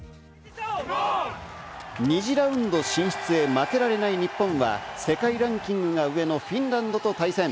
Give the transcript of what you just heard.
２次ラウンド進出へ負けられない日本は、世界ランキングが上のフィンランドと対戦。